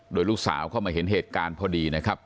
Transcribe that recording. โดยลูกสาวเข้ามาเห็นเหตุการณ์พอดีนะครับ